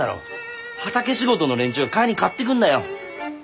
畑仕事の連中が帰りに買ってくんだよ。